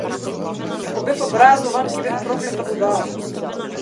Ако бев образован, ќе бев проклета будала.